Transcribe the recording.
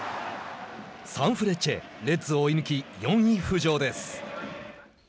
サンフレッチェレッズを追い抜き４位浮上です。